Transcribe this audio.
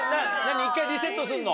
一回リセットするの？